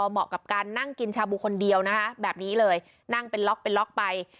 เหมาะกับการนั่งกินชาบูคนเดียวนะคะแบบนี้เลยนั่งเป็นล็อกเป็นล็อกไป